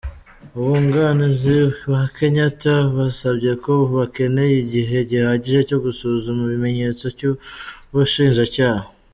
Abunganizi ba Kenyatta basabye ko bakeneye igihe gihagije cyo gusuzuma ibimenyetso by’ubushinjacyaha.